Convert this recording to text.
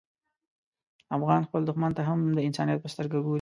افغان خپل دښمن ته هم د انسانیت په سترګه ګوري.